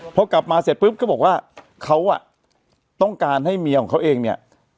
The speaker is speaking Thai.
พอกลับมาเสร็จปุ๊บก็บอกว่าเขาอ่ะต้องการให้เมียของเขาเองเนี่ย